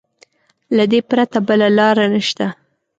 له دې پرته بله لاره نشته.